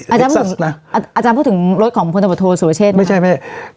อาจารย์พูดถึงอาจารย์พูดถึงรถของพลังประโยชน์สุรเชษฐ์นะครับไม่ใช่ไม่ใช่